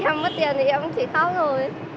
em mất tiền thì em cũng chỉ khóc rồi